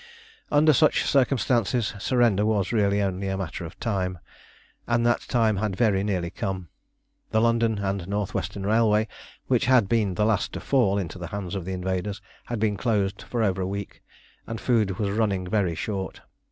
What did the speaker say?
Under such circumstances surrender was really only a matter of time, and that time had very nearly come. The London and North Western Railway, which had been the last to fall into the hands of the invaders, had been closed for over a week, and food was running very short.